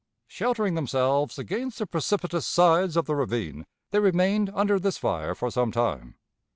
Sheltering themselves against the precipitous sides of the ravine, they remained under this fire for some time.